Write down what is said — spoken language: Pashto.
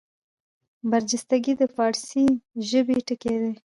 برجستګي د فاړسي ژبي ټکی دﺉ.